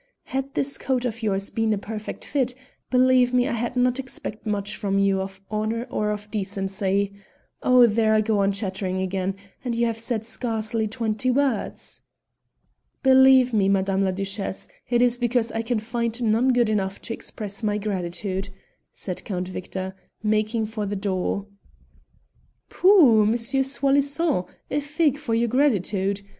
Had this coat of yours been a perfect fit, believe me I had not expected much from you of honour or of decency. Oh! there I go on chattering again, and you have said scarcely twenty words." "Believe me, Madame la Duchesse, it is because I can find none good enough to express my gratitude," said Count Victor, making for the door. "Pooh! Monsieur Soi disant, a fig for your gratitude!